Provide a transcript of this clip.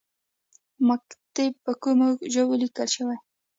مکاتیب په کومو ژبو لیکل کیږي؟